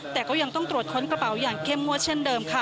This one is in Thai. แต่ก็ยังต้องตรวจค้นกระเป๋าอย่างเข้มงวดเช่นเดิมค่ะ